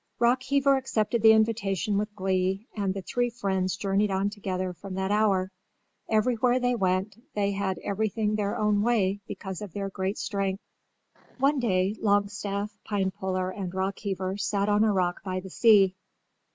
Rockheaver accepted the invitation with glee and the three friends journeyed on together from that hour. Everywhere they went they had everything their own way because of their great strength. [Illustration: The three friends journeyed on together] One day Longstaff, Pinepuller and Rockheaver sat on a rock by the sea.